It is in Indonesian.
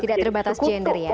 tidak terbatas gender ya